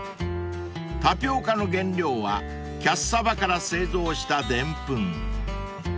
［タピオカの原料はキャッサバから製造したでんぷん］